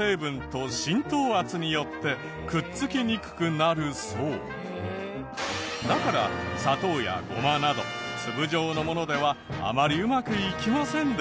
調べてみたところだから砂糖やゴマなど粒状のものではあまりうまくいきませんでした。